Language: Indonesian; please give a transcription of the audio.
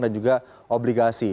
dan juga obligasi